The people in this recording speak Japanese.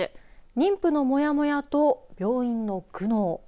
妊婦のモヤモヤと病院の苦悩。